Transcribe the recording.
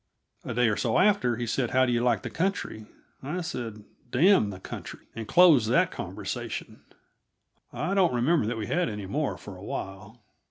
A day or so after he said: "How do you like the country?" I said: "Damn the country!" and closed that conversation. I don't remember that we had any more for awhile.